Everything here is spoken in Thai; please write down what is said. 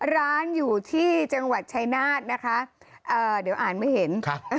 ล้านอยู่ที่จังหวัดชายนาตินะฮะอ่าเดี๋ยวอ่านไม่เห็น